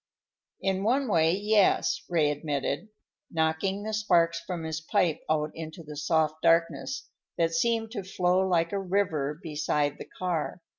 "In one way, yes," Ray admitted, knocking the sparks from his pipe out into the soft darkness that seemed to flow like a river beside the car.